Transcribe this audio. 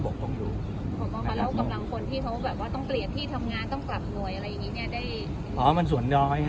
แล้วกำลังพลที่เขาแบบว่าต้องเปลี่ยนที่ทำงานต้องกลับหน่วยอะไรอย่างนี้เนี่ยได้